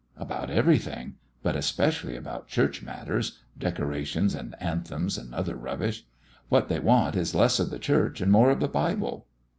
"About everything; but especially about church matters decorations and anthems and other rubbish. What they want is less of the church and more of the Bible."